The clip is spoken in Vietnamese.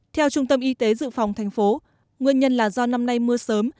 theo trung tâm y tế dự phòng thành phố nguyên nhân là do năm nay mưa sớm